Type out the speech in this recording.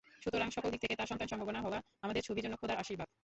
সুতরাং সকল দিক থেকে তাঁর সন্তানসম্ভবা হওয়া আমাদের ছবির জন্য খোদার আশীর্বাদ।